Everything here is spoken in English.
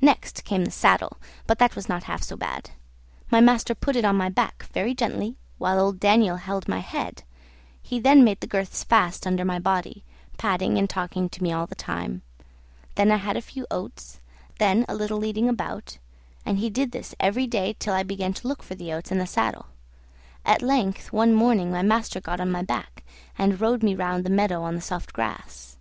Next came the saddle, but that was not half so bad; my master put it on my back very gently, while old Daniel held my head; he then made the girths fast under my body, patting and talking to me all the time; then I had a few oats, then a little leading about; and this he did every day till I began to look for the oats and the saddle. At length, one morning, my master got on my back and rode me round the meadow on the soft grass.